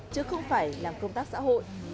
chứ không phải làm công tác xã hội